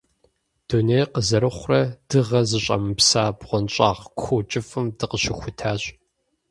Дунейр къызэрыхъурэ дыгъэ зыщӀэмыпса бгъуэнщӀагъ куу кӀыфӀым дыкъыщыхутащ.